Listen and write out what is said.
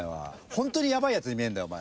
ホントにやばいヤツに見えるんだよお前。